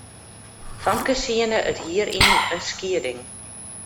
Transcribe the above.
Famkes hiene it hier yn in skieding.